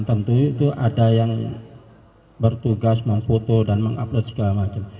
tentu itu ada yang bertugas meng foto dan meng upload segala macam